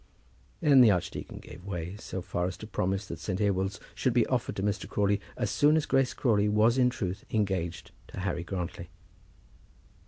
Then the archdeacon gave way so far as to promise that St. Ewolds should be offered to Mr. Crawley as soon as Grace Crawley was in truth engaged to Harry Grantly.